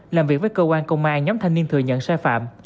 làm việc với cơ quan công an nhóm thanh niên thừa nhận sai phạm